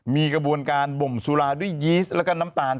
มีกระบวนการบ่มสุราด้วยยีสแล้วก็น้ำตาล